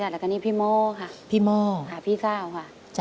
แล้วก็นี่พี่โม่ค่ะพี่เศร้าค่ะ